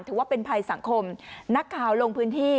ถือว่าเป็นภัยสังคมนักข่าวลงพื้นที่